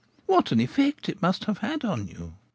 What an effect it must have had on you!'